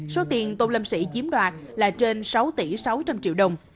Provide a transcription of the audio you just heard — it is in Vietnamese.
số tiền tôn lâm sĩ chiếm đoạt là trên sáu tỷ sáu trăm linh triệu đồng